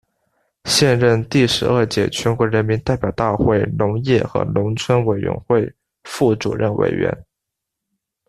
现任第十二届全国人民代表大会农业与农村委员会副主任委员。